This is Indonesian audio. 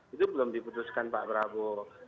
itu belum diputuskan pak prabowo